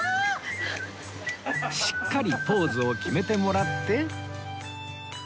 しっかりポーズを決めてもらって